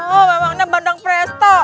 oh memangnya bandang presto